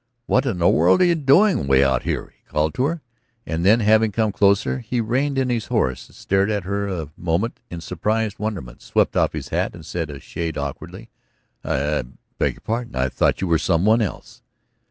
"What in the world are you doing way out here?" he called to her. And then having come closer he reined in his horse, stared at her a moment in surprised wonderment, swept off his hat and said, a shade awkwardly: "I beg pardon. I thought you were some one else."